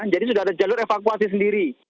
jadi sudah ada jalur evakuasi sendiri